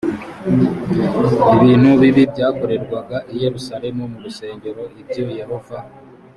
ibintu bibi byakorerwaga i yerusalemu mu rusengero ibyo yehova